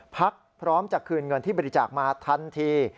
พร้อมจะคืนเงินที่บริจาคมาทันที